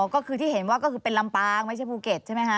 ก็คือที่เห็นว่าก็คือเป็นลำปางไม่ใช่ภูเก็ตใช่ไหมคะ